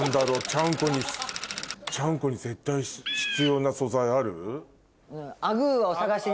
ちゃんこにちゃんこに絶対必要な素材ある？